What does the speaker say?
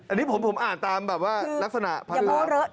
อันนี้ผมอ่านตามแบบว่าลักษณะภาระ